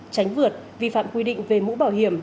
tránh vượt vi phạm quy định về mũ bảo hiểm